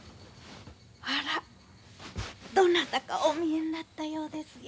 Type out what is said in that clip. あらどなたかお見えになったようですよ。